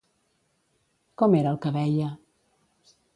Com era el que veia?